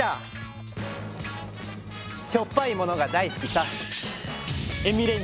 しょっぱいものがだいすきさ。